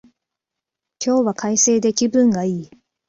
今日は快晴で気分がいい